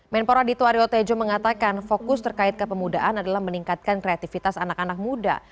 menpora dito aryo tejo mengatakan fokus terkait kepemudaan adalah meningkatkan kreativitas anak anak muda